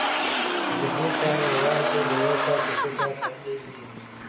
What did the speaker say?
ذهني شیان یوازې د یو کس په فکر تړلي وي.